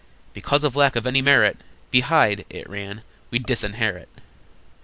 "Because of lack of any merit, B. Hyde," it ran, "we disinherit!"